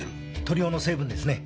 塗料の成分ですね。